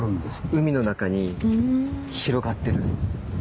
海の中に広がってる。